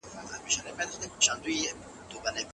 خلک پردي ژبه پردۍ زه او وطن پردي یو